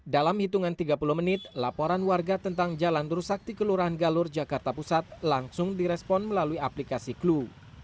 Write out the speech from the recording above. dalam hitungan tiga puluh menit laporan warga tentang jalan tursakti kelurahan galur jakarta pusat langsung direspon melalui aplikasi clue